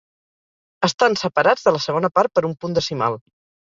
Estan separats de la segona part per un punt decimal.